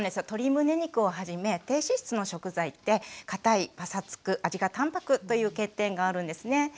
鶏むね肉をはじめ低脂質の食材って堅い・パサつく・味が淡泊という欠点があるんですね。